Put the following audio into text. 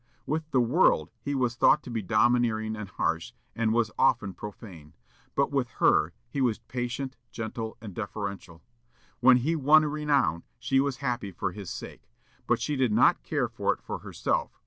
With the world he was thought to be domineering and harsh, and was often profane; but with her he was patient, gentle, and deferential. When he won renown, she was happy for his sake, but she did not care for it for herself.